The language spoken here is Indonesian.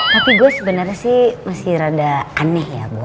tapi gue sebenarnya sih masih rada aneh ya